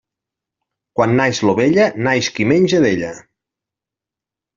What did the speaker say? Quan naix l'ovella, naix qui menja d'ella.